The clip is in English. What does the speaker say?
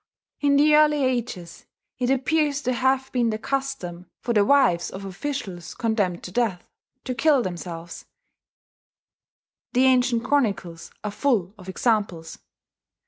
In the early ages it appears to have been the custom for the wives of officials condemned to death to kill themselves the ancient chronicles are full of examples.